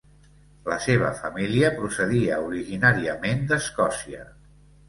La seva família procedia originàriament d'Escòcia.